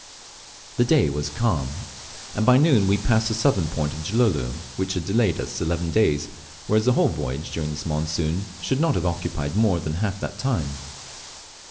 The day was calm, and by noon we passed the southern point of Gilolo, which had delayed us eleven days, whereas the whole voyage during this monsoon should not have occupied more than half that time.